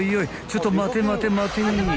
ちょっと待て待て待てい！］